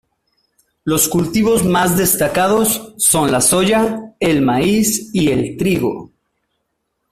Los cultivos más destacados son la soja, el maíz y el trigo.